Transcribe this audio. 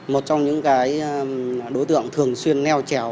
một trong những đối tượng thường xuyên neo trèo